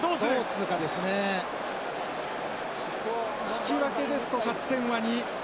引き分けですと勝ち点は２。